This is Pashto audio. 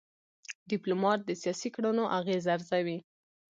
ډيپلومات د سیاسي کړنو اغېز ارزوي.